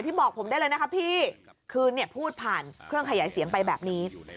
บอกผมได้เลยนะคะพี่คือเนี่ยพูดผ่านเครื่องขยายเสียงไปแบบนี้